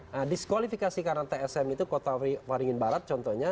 nah diskualifikasi karena tsm itu kota waringin barat contohnya